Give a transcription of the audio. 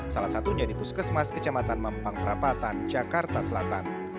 salah satunya di puskesmas kecamatan mempang prapatan jakarta selatan